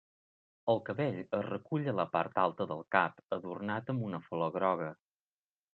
El cabell es recull a la part alta del cap, adornat amb una flor groga.